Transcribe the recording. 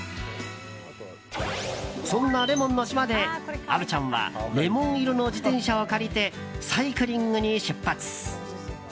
そんなレモンの島で、虻ちゃんはレモン色の自転車を借りてサイクリングに出発。